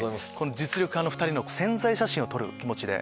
実力派の２人の宣材写真を撮る気持ちで。